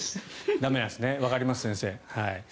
わかります、先生。